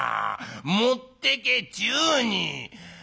持ってけちゅうに！」。